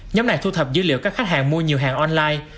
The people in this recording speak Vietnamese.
nhóm này thu thập dữ liệu các khách hàng mua nhiều hàng online